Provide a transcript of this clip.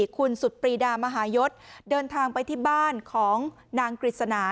คุณสุดปรีดามหายศเดินทางไปที่บ้านของนางกฤษณา